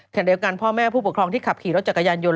ขณะเดียวกันพ่อแม่ผู้ปกครองที่ขับขี่รถจักรยานยนต